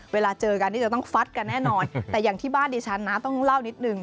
เวลาเจอกันนี่จะต้องฟัดกันแน่นอนแต่อย่างที่บ้านดิฉันนะต้องเล่านิดนึง